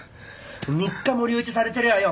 ３日も留置されてりゃあよ